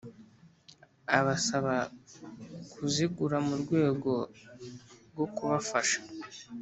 abasaba kuzigura mu rwego rwo kubafasha.